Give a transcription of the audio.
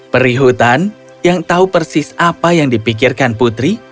perihutan yang tahu persis apa yang dipikirkan putri